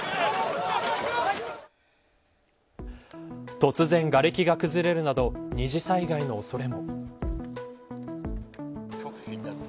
突然、がれきが崩れるなど二次災害の恐れも。